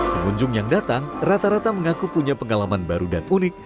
pengunjung yang datang rata rata mengaku punya pengalaman baru dan unik